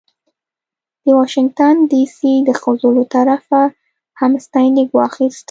د واشنګټن ډې سي د ښځو له طرفه هم ستاینلیک واخیست.